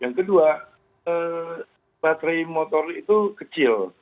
yang kedua baterai motor itu kecil